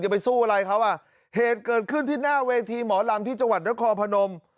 ไปสู้อะไรเขาอ่ะเหตุเกิดขึ้นที่หน้าเวทีหมอลำที่จังหวัดนครพนม